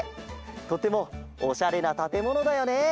とてもおしゃれなたてものだよね！